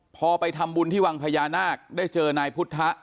พอไปทำบุญที่วังพญานาคได้เจอนายพุทธ